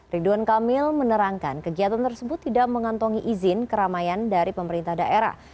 ridwan kamil menerangkan kegiatan tersebut tidak mengantongi izin keramaian dari pemerintah daerah